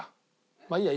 まあいいや。